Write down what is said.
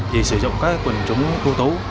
để sử dụng các quân chủng khu tú